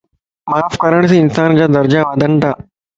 معاف ڪرڻ سين انسانَ جا درجا وڌنتا